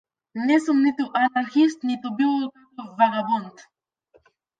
Не сум ниту анархист ниту било каков вагабонт.